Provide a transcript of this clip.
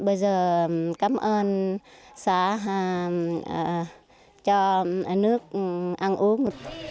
bây giờ cảm ơn xã cho nước ăn uống